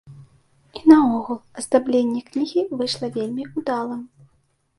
І наогул аздабленне кнігі выйшла вельмі ўдалым.